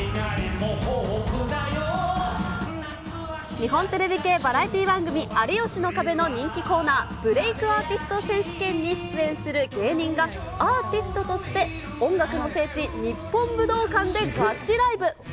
日本テレビ系バラエティー番組、有吉の壁の人気コーナー、ブレイクアーティスト選手権に出演する芸人が、アーティストとして、音楽の聖地、日本武道館でガチライブ。